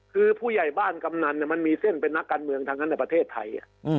คือผู้ใหญ่บ้านกำนันมันมีเส้นเป็นนักการเมืองทั้งนั้นในประเทศไทย